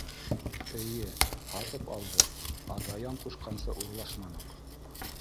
Эйе, һатып алдыҡ, ә Даян ҡушҡанса урлашманыҡ.